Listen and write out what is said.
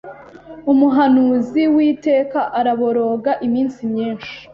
Umuhanuzi witeka araboroga iminsi myinshi